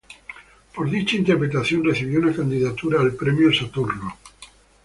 Por dicha interpretación, recibió una candidatura al premio Saturn.